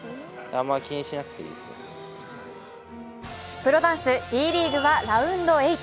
プロダンスＤリーグはラウンド８。